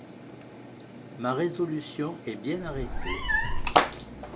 Ma résolution est bien arrêtée.